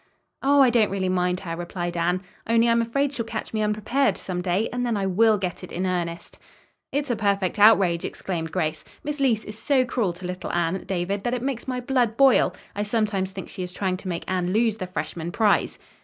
"Oh, I don't really mind her," replied Anne, "only I'm afraid she'll catch me unprepared, some day, and then I will get it in earnest." "It's a perfect outrage," exclaimed Grace. "Miss Leece is so cruel to little Anne, David, that it makes my blood boil. I sometimes think she is trying to make Anne lose the freshman prize."